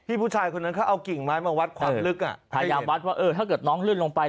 ผู้ชายคนนั้นเขาเอากิ่งไม้มาวัดความลึกอ่ะพยายามวัดว่าเออถ้าเกิดน้องลื่นลงไป